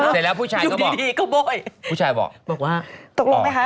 เสร็จแล้วผู้ชายก็บอกบอกว่า